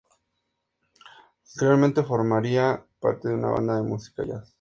Posteriormente formaría parte de una banda de música jazz.